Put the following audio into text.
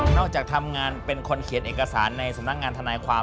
จากทำงานเป็นคนเขียนเอกสารในสำนักงานทนายความ